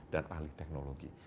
dan ahli teknologi